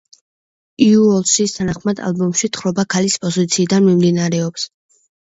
უილსონის თანახმად, ალბომში თხრობა ქალის პოზიციიდან მიმდინარეობს.